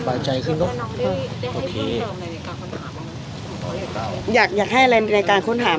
สบายใจขึ้นโอเคโอเคอยากอยากให้อะไรในการค้นหาไหม